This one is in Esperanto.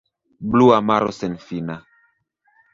Blua maro senfina!